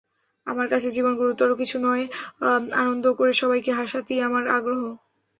আমার কাছে জীবন গুরুতর কিছু নয়, আনন্দ করে সবাইকে হাসাতেই আমার আগ্রহ।